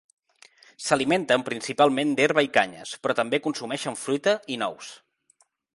S'alimenten principalment d'herba i canyes, però també consumeixen fruita i nous.